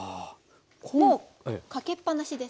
もうかけっぱなしです。